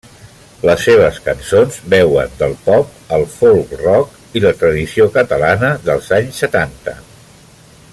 Les seves cançons beuen del pop, el folk-rock i la tradició catalana dels anys setanta.